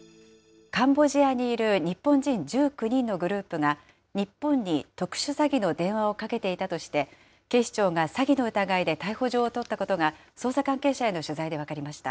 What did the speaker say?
カンボジアにいる日本人１９人のグループが、日本に特殊詐欺の電話をかけていたとして、警視庁が詐欺の疑いで逮捕状を取ったことが、捜査関係者への取材で分かりました。